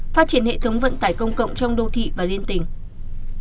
phát triển hệ thống vận tải công cộng trong đô thị và liên tỉnh